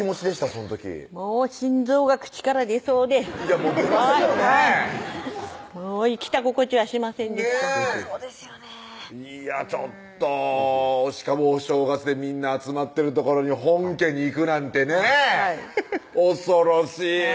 その時もう心臓が口から出そうでいや出ますよねぇもう生きた心地はしませんでしたねぇいやちょっとしかもお正月でみんな集まってる所に本家に行くなんてねぇはい恐ろしい